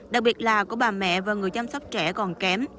đặc biệt là của bà mẹ và người chăm sóc trẻ còn kém